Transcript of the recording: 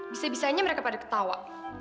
bisa bisanya mereka pada ketawa